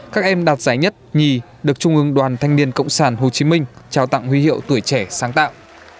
các em đạt giải nhất nhì được trung ương đoàn thanh niên cộng sản hồ chí minh trao tặng huy hiệu tuổi trẻ sáng tạo